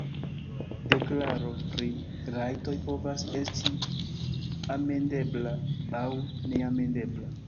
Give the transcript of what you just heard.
Deklaro pri rajtoj povas esti "amendebla" aŭ "neamendebla".